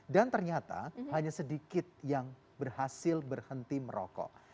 dan ternyata hanya sedikit yang berhasil berhenti merokok